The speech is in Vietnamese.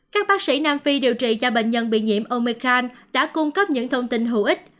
các bác sĩ nam phi điều trị cho bệnh nhân bị nhiễm omecan đã cung cấp những thông tin hữu ích